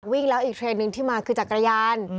วิ่งแล้วอีกเทรนดหนึ่งที่มาคือจักรยาน